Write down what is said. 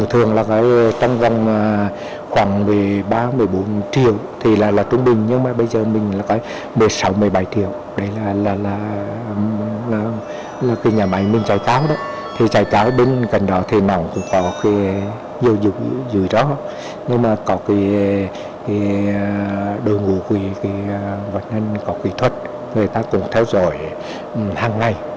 tổng sản lượng cũng có nhiều dưới đó nhưng mà có đồ ngủ của vận hành có kỹ thuật người ta cũng theo dõi hàng ngày